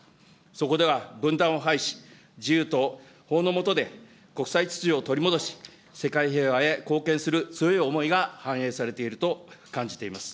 そこでは、分断をはいし、自由と法の下で、国際秩序を取り戻し、世界平和へ貢献する強い思いが反映されていると感じています。